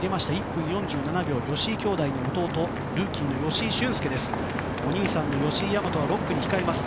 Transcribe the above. １分４７秒、吉居兄弟の弟ルーキーの吉居駿恭です。